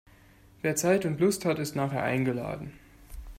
Wer Zeit und Lust hat, ist nachher eingeladen.